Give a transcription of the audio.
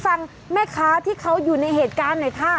แต่เบื่อมากว่าชอบเขาพูดจ่าอะไรให้เขาร้ำคาญ